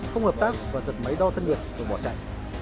không hợp tác và giật máy đo thân nhiệt rồi bỏ chạy